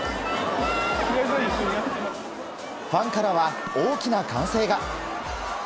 ファンからは大きな歓声が。